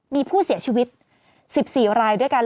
มีผู้เสียชีวิต๑๔รายด้วยกัน